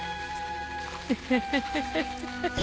フフフフ。